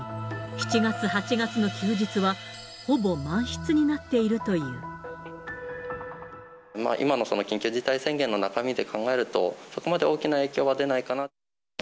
７月、８月の休日は、今の緊急事態宣言の中身で考えると、そこまで大きな影響は出ないかなと。